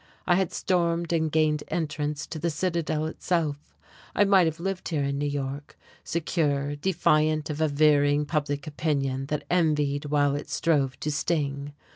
I had stormed and gained entrance to the citadel itself. I might have lived here in New York, secure, defiant of a veering public opinion that envied while it strove to sting.